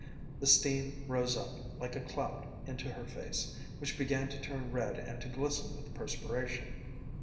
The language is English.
The steam rose up, like a cloud, into her face, which began to turn red and to glisten with perspiration.